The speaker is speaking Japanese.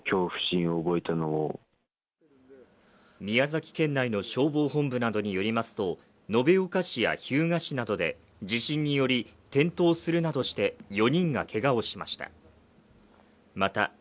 宮崎県内の消防本部などによりますと延岡市や日向市などで地震により、転倒するなどして４人がけがをしました。